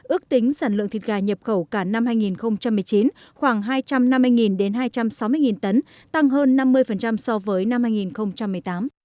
ước tính sản lượng thịt gà nhập khẩu cả năm hai nghìn một mươi chín khoảng hai trăm năm mươi hai trăm sáu mươi tấn tăng hơn năm mươi so với năm hai nghìn một mươi tám